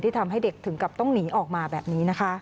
ทำให้เด็กถึงกับต้องหนีออกมาแบบนี้นะคะ